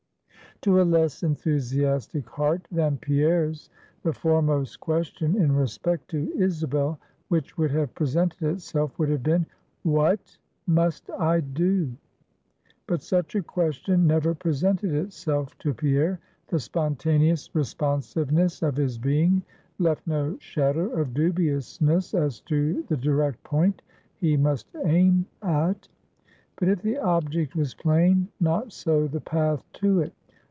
To a less enthusiastic heart than Pierre's the foremost question in respect to Isabel which would have presented itself, would have been, What must I do? But such a question never presented itself to Pierre; the spontaneous responsiveness of his being left no shadow of dubiousness as to the direct point he must aim at. But if the object was plain, not so the path to it.